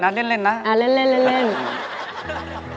คุณองค์ร้องได้